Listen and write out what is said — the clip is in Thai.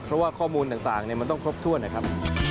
เพราะว่าข้อมูลต่างมันต้องครบถ้วนนะครับ